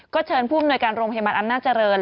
ก็เชิญผู้มนวยการโรงพยาบาลอำนาจริง